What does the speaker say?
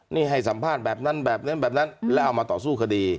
นี่ให้สัมภาษณ์แบบนั้นแบบนั้นแบบนั้นแล้วเอามาต่อสู้คดี